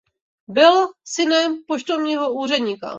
Byl synem poštovního úředníka.